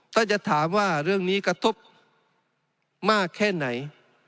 ถ้าจะถามว่าเรื่องนี้กระทบมากแค่ไหน